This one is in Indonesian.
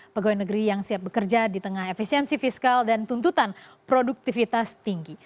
pegawai negeri yang siap bekerja di tengah efisiensi fiskal dan tuntutan produktivitas tinggi